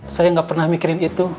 saya nggak pernah mikirin itu